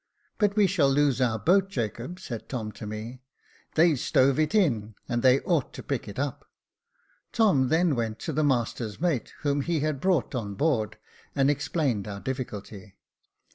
" But we shall lose our boat, Jacob," said Tom to me. " They stove it in, and they ought to pick it up." Tom then went up to the master's mate, whom he had brought on board, and explained our difficulty.